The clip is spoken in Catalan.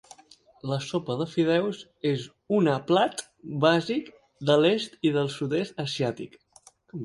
La sopa de fideus és una plat bàsic de l'est i del sud-est asiàtic.